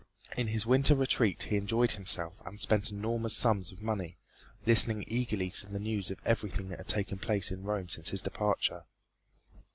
In his winter retreat he enjoyed himself and spent enormous sums of money, listening eagerly to news of everything that had taken place in Rome since his departure.